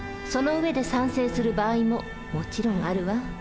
その上で賛成する場合ももちろんあるわ。